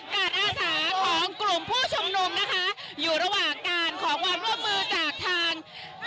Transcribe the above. การอาสาของกลุ่มผู้ชมนมนะคะอยู่ระหว่างการขอบรับมือจากทาง